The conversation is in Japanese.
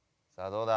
どうだ？